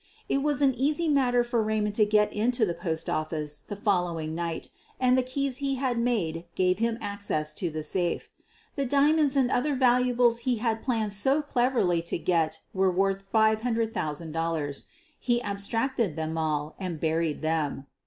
It was an easy matter for Raymond to get into the post office the following night, and the keys he had made gave him access to the safe. The diamonds and other valuables he had planned so cleverly to get were worth $500,000. He abstracted them all and buried them.